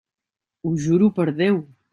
Ho juro per Déu.